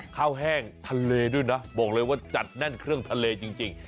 แห้งทะเลด้วยนะบอกเลยว่าจัดแน่นเครื่องทะเลจริง